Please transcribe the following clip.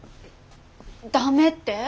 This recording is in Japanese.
ダメって？